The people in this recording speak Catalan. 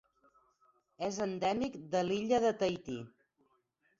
És endèmic de l'illa de Tahiti.